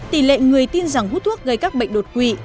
tỷ lệ người tin rằng hút thuốc gây các bệnh đột quỵ